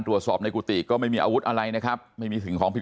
ตรวจสอบในกุฏิก็ไม่มีอาวุธอะไรนะครับไม่มีสิ่งของผิด